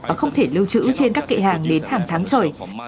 và không thể lưu trữ trên các kệ hàng đến hàng tháng trời